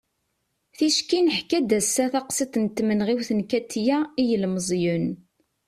ticki neḥka-d ass-a taqsiḍt n tmenɣiwt n katia i yilmeẓyen